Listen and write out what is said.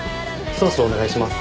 そろそろお願いします。